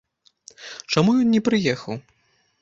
Чаму ён не прыехаў?